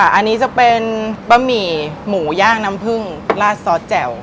อันนี้จะเป็นบะหมี่หมูย่างน้ำผึ้งลาดซอสแจ่ว